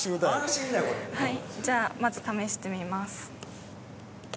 はいじゃあまず試してみます。